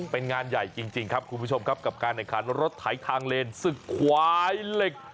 เป็นงานใหญ่จริงครับคุณผู้ชมครับกับการแข่งขันรถไถทางเลนศึกควายเหล็ก